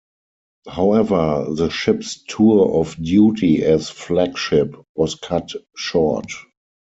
However, the ship's tour of duty as flagship was cut short.